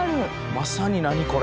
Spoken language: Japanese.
まさに「何？これ」。